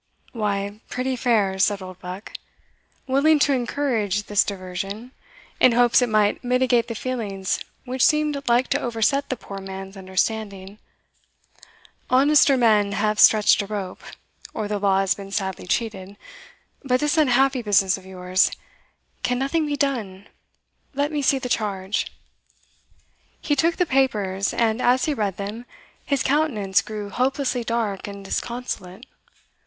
"Why, pretty fair," said Oldbuck, willing to encourage this diversion, in hopes it might mitigate the feelings which seemed like to overset the poor man's understanding; "honester men have stretched a rope, or the law has been sadly cheated But this unhappy business of yours can nothing be done? Let me see the charge." He took the papers; and, as he read them, his countenance grew hopelessly dark and disconsolate.